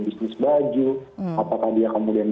bisnis baju apakah dia kemudian